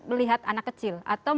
atau melihat satu tempat yang lain